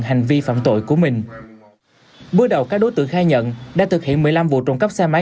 hành vi phạm tội của mình bước đầu các đối tượng khai nhận đã thực hiện một mươi năm vụ trộm cắp xe máy